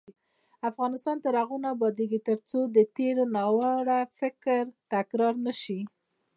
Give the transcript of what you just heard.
افغانستان تر هغو نه ابادیږي، ترڅو د تیر ناوړه فکر تکرار نشي.